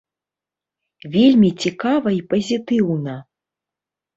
Вельмі цікава і пазітыўна.